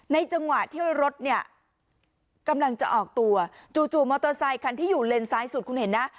จังหวะที่รถเนี่ยกำลังจะออกตัวจู่มอเตอร์ไซคันที่อยู่เลนซ้ายสุดคุณเห็นนะ